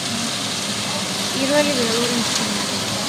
პირველი ველური მცენარეა.